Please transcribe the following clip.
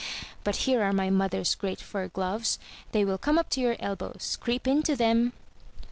But here are my mother's great fur gloves. They will come up to your elbows. Creep into them.